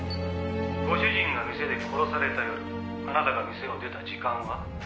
「ご主人が店で殺された夜あなたが店を出た時間は？」